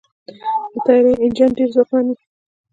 د طیارې انجن ډېر ځواکمن وي.